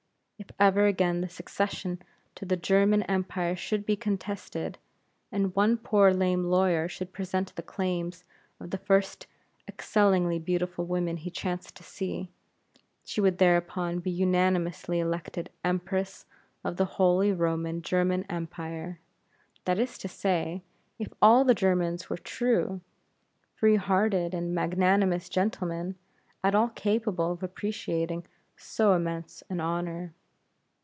If ever again the succession to the German Empire should be contested, and one poor lame lawyer should present the claims of the first excellingly beautiful woman he chanced to see she would thereupon be unanimously elected Empress of the Holy Roman German Empire; that is to say, if all the Germans were true, free hearted and magnanimous gentlemen, at all capable of appreciating so immense an honor.